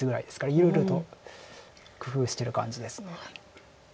いろいろと工夫してる感じです。